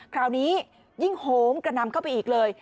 คราวนี้ยิ่งโหมกระนำเข้าไปอีกเลย